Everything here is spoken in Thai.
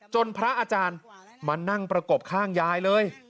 พระอาจารย์มานั่งประกบข้างยายเลย